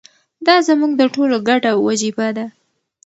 دا زموږ د ټولو ګډه وجیبه ده.